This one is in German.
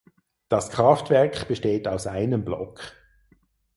Das Kraftwerk besteht aus einem Block.